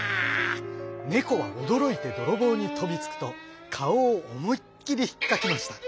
ネコはおどろいてどろぼうにとびつくとかおをおもいっきりひっかきました。